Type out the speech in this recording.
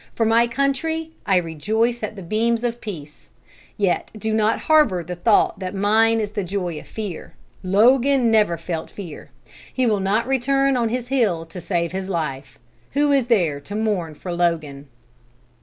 For my country, I rejoice at the beams of peace. Yet do not harbor the thought that mine is the joy of fear. Logan never felt fear. He will not turn on his heel to save his life. Who is there to mourn for Logan?"